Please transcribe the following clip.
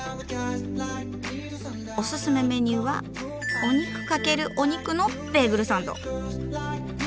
オススメメニューは「お肉×お肉」のベーグルサンド。